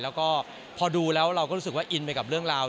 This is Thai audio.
แล้วก็พอดูแล้วเราก็รู้สึกว่าอินไปกับเรื่องราว